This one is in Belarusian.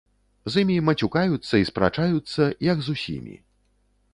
З імі мацюкаюцца і спрачаюцца, як з усімі.